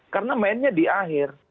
karena mainnya di akhir